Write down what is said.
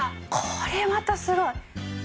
これまたすごい。